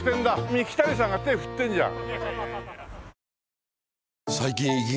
三木谷さんが手振ってるじゃん。